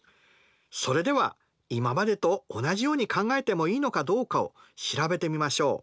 それでは今までと同じように考えてもいいのかどうかを調べてみましょう。